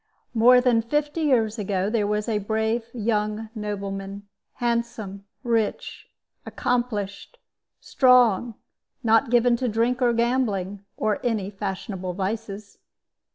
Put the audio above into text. "More than fifty years ago there was a brave young nobleman, handsome, rich, accomplished, strong, not given to drink or gambling, or any fashionable vices.